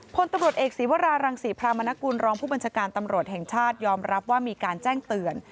พลตำรวจเอกศีวรารังศรีพรามนกุลรองผู้บัญชาการตำรวจแห่งชาติยอมรับว่ามีการแจ้งเตือน